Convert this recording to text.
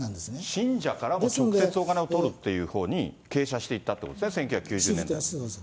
信者からも直接お金を取るっていうほうに、傾斜していったということですね、１９９０年代に。